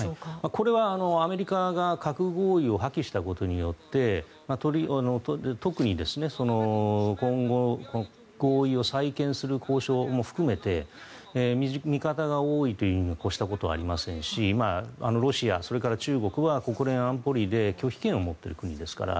これはアメリカが核合意を破棄したことによって特に今後の合意を再建する交渉も含めて味方が多いに越したことはありませんしロシア、それから中国は国連安保理で拒否権を持っている国ですから。